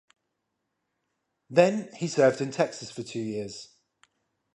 Then he served in Texas for two years.